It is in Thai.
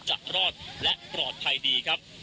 จะรอดและปลอดภัยดีครับ